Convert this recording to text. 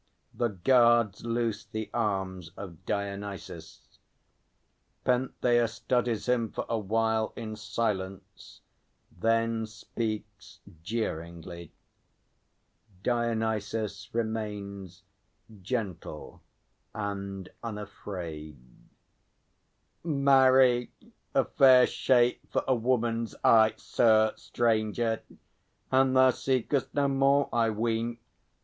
[The guards loose the arms of DIONYSUS; PENTHEUS studies him for a while in silence, then speaks jeeringly. DIONYSUS remains gentle and unafraid. Marry, a fair shape for a woman's eye, Sir stranger! And thou seek'st no more, I ween!